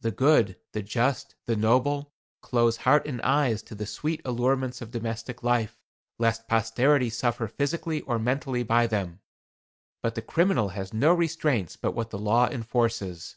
The good, the just, the noble, close heart and eyes to the sweet allurements of domestic life, lest posterity suffer physically or mentally by them. But the criminal has no restraints but what the law enforces.